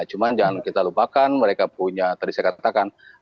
cuma jangan kita lupakan mereka punya tadi saya katakan